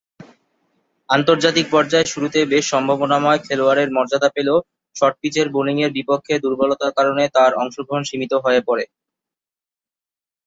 আন্তর্জাতিক পর্যায়ের শুরুতে বেশ সম্ভাবনাময় খেলোয়াড়ের মর্যাদা পেলেও শর্ট পিচের বোলিংয়ের বিপক্ষে দুর্বলতার কারণে তার অংশগ্রহণ সীমিত হয়ে পড়ে।